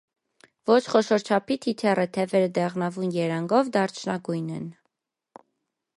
Ոչ խոշոր չափի թիթեռ է, թևերը դեղնավուն երանգով դարչնագույն են։